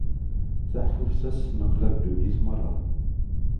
Taḥbubt-a tesneqlab ddunit merra.